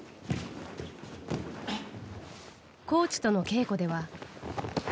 コーチとの稽古では。